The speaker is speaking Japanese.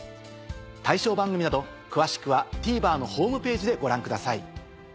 対象番組など詳しくはＴＶｅｒのホームページでご覧ください。